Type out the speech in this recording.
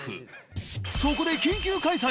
そこで緊急開催